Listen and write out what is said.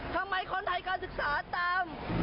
ทำไมคนไทยการศึกษาตาม